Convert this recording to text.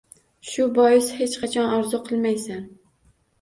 Shu bois hech qachon orzu qilmaysan…